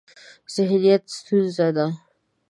ذهنیت ستونزه ده.